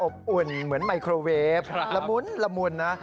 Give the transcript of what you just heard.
อบอุ่นเหมือนไมโครเวฟละมุนนะ